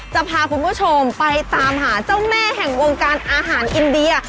จะพาคุณผู้ชมไปตามหาเจ้าแม่แห่งวงการอาหารอินเดีย